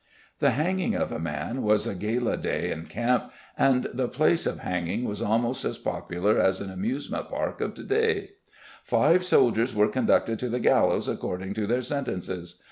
The hanging of a man was a gala day in camp and the place of hanging was almost as popular as an amusement park of today; "Five soldiers were conducted to the gallows according to their sentences.